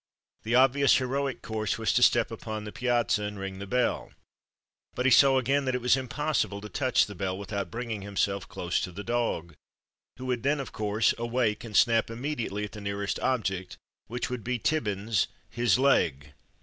The obvious heroic course was to step upon the piazza and ring the bell. But he saw again that it was impossible to touch the bell without bringing himself close to the dog, who would then, of course, awake and snap immediately at the nearest object, which would be Tibbins his leg.